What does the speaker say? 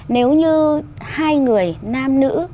nếu như hai người nam nữ